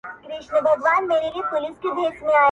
اوس مي د زړه قلم ليكل نه كوي,